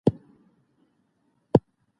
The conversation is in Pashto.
ادم د علم په درلودلو سره پر پرشتو لوړ سو.